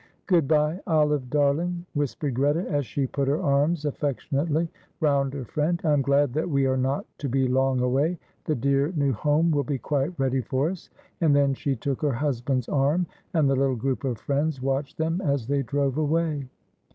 "Good bye, Olive darling," whispered Greta, as she put her arms affectionately round her friend. "I am glad that we are not to be long away, the dear new home will be quite ready for us," and then she took her husband's arm and the little group of friends watched them as they drove away.